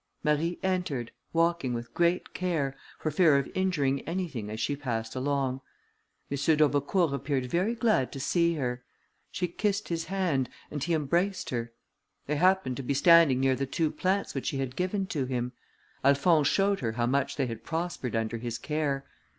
Marie entered, walking with great care, for fear of injuring anything as she passed along. M. d'Aubecourt appeared very glad to see her; she kissed his hand, and he embraced her. They happened to be standing near the two plants which she had given to him. Alphonse showed her how much they had prospered under his care.